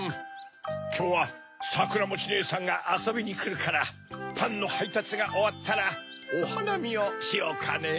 きょうはさくらもちねえさんがあそびにくるからパンのはいたつがおわったらおはなみをしようかねぇ。